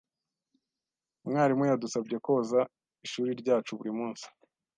Umwarimu yadusabye koza ishuri ryacu buri munsi.